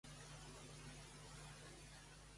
Com exposa al seu xicot?